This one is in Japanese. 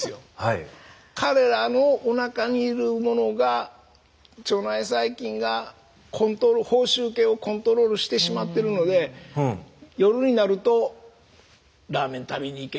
彼らのおなかにいるものが腸内細菌が報酬系をコントロールしてしまってるので夜になると「ラーメン食べに行け。